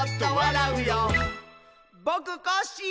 「ぼくコッシー！」